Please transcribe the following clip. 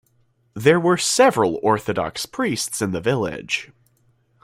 There were several Orthodox priests in the village.